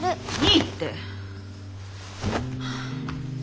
いいって！